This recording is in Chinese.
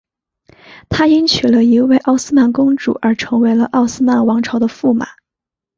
他因娶了一位奥斯曼公主而成为了奥斯曼王朝的驸马。